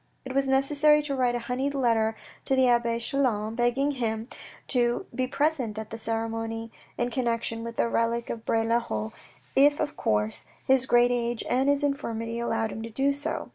It was necessary to write a honeyed letter to the abbe Chelan, begging him to be present at the ceremony in connection with the relic of Bray le Haut, if of course, his great age and his infirmity allowed him to do so.